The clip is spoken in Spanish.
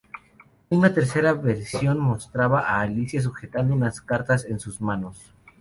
Una tercera versión mostraba a Alicia sujetando unas cartas en sus manos.